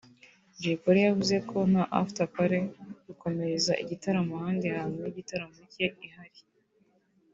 Jay Polly yavuze ko nta After Party (gukomereza igitaramo ahandi hantu) y’igitaramo cye ihari